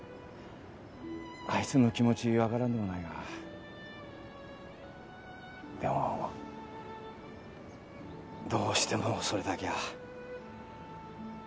あいつの気持ち分からんでもないがでもどうしてもそれだけは。